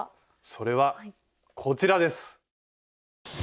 それはこちらです。